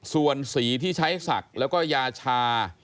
ส่วนสีที่ใช้ศักดิ์แล้วก็ยาชา